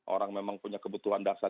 orang memang punya kebutuhan dasar